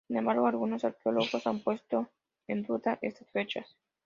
Sin embargo, algunos arqueólogos han puesto en duda estas fechas.